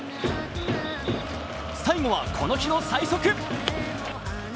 最後は、この日の最速。